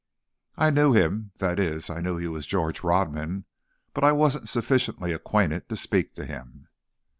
I knew him, that is, I knew he was George Rodman, but I wasn't sufficiently acquainted to speak to him.